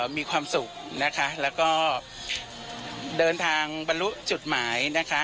มีความสุขนะคะแล้วก็เดินทางบรรลุจุดหมายนะคะ